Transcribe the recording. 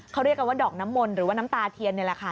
เขาเรียกกันว่าดอกน้ำมนต์หรือว่าน้ำตาเทียนนี่แหละค่ะ